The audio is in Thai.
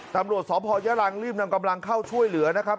ตำรวจสพยรังรีบนำกำลังเข้าช่วยเหลือนะครับ